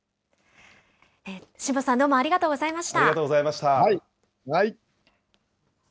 新保さん、どうもありがとうございました。